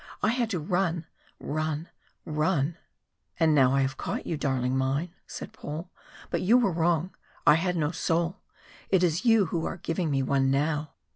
I had to run, run, run!" "And now I have caught you, darling mine," said Paul. "But you were wrong. I had no soul it is you who are giving me one now."